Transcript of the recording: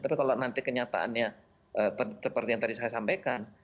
tapi kalau nanti kenyataannya seperti yang tadi saya sampaikan